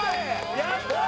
やったー！